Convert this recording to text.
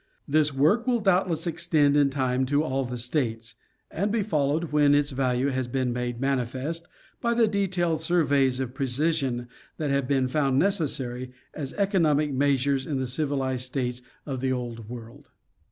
This work will doubtless extend in time to all the States, and be followed, when its value has been made manifest, by the detailed surveys of precision that have been found necessary as economic measures in the civilized States of the old world.